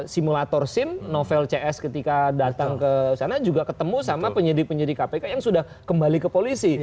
simulator sim novel cs ketika datang ke sana juga ketemu sama penyidik penyidik kpk yang sudah kembali ke polisi